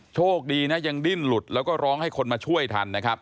โชคดีนะยังดิ้นหลุดแล้วก็ร้องให้คนมาช่วยทันนะครับ